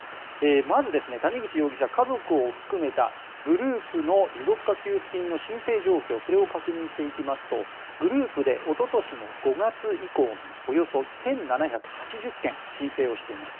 まず、谷口容疑者家族を含めたグループの持続化給付金の申請状況それを確認していきますとグループでおととしの５月以降におよそ１７８０件申請をしています。